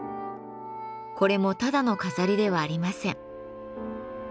これもただの飾りではありません。